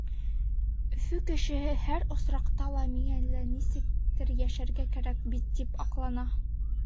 Өфө кешеһе һәр осраҡта ла миңә лә нисектер йәшәргә кәрәк бит, тип аҡлана